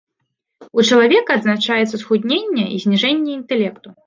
У чалавека адзначаецца схудненне і зніжэнне інтэлекту.